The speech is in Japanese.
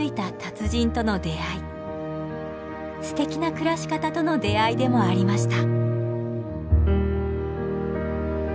すてきな暮らし方との出会いでもありました。